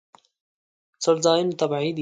څړځایونه طبیعي دي.